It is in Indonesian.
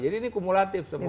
jadi ini kumulatif semuanya